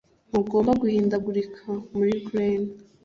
Ntugomba guhindagurika muri glen